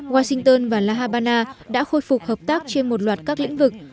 washington và la habana đã khôi phục hợp tác trên một loạt các lĩnh vực